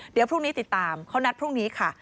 เดี๋ยวพรุ่งนี้ติดตามเขานัดพรุ่งนี้ค่ะ